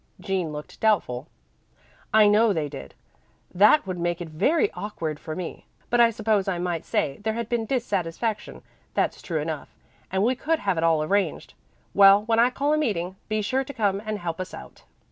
Jean looked doubtful. "I know they did. That would make it very awkward for me, but I suppose I might say there had been dissatisfaction that's true enough, and we could have it all arranged Well, when I call a meeting, be sure to come and help us out."